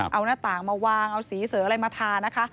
เอาหน้าต่างมาวางเอาสีเสริงอะไรมาทานะคะ